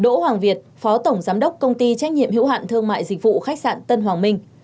đỗ hoàng việt phó tổng giám đốc công ty trách nhiệm hữu hạn thương mại dịch vụ khách sạn tân hoàng minh